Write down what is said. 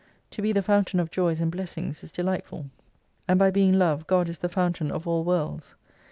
To be the Fountain of joys and blessings is delightful. And by being Love God is the Fountain of all worlds.